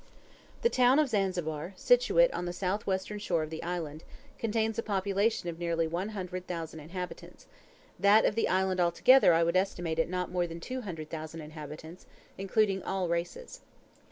The town of Zanzibar, situate on the south western shore of the island, contains a population of nearly one hundred thousand inhabitants; that of the island altogether I would estimate at not more than two hundred thousand inhabitants, including all races.